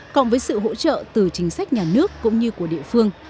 cộng với sự hỗ trợ từ chính sách nhà nước cũng như của địa phương